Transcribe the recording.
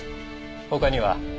他には？